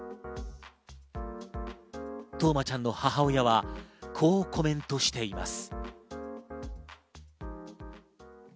冬生ちゃんの母親はこうコメントしています。